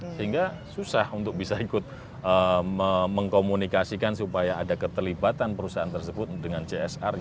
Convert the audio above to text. sehingga susah untuk bisa ikut mengkomunikasikan supaya ada keterlibatan perusahaan tersebut dengan csr nya